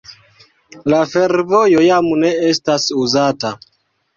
La fervojo jam ne estas uzata.